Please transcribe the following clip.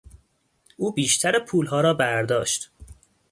او بیشتر پولها را برداشت.